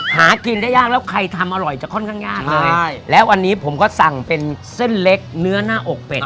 หากินได้ยากแล้วใครทำอร่อยจะค่อนข้างยากเลยใช่แล้ววันนี้ผมก็สั่งเป็นเส้นเล็กเนื้อหน้าอกเป็ด